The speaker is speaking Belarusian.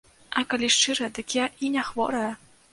А, калі шчыра, дык я і не хворая.